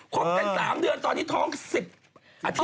คบกัน๓เดือนตอนนี้ท้อง๑๐อาทิตย